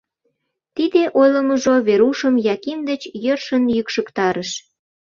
Тиде ойлымыжо Верушым Яким деч йӧршын йӱкшыктарыш.